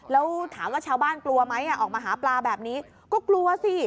แล้วถามว่าชาวบ้านกลัวไหมออกมาหาปลาแบบนี้ก็กลัวสิ